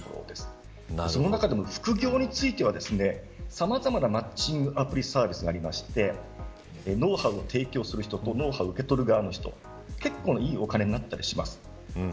その中でも、副業についてはさまざまなマッチングアプリサービスがあってノウハウを提供する人と受け取る側の人結構ないいお金になったりします。